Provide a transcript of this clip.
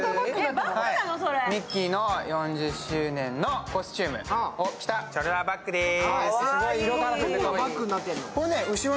ミッキーの４０周年のコスチュームのバッグです。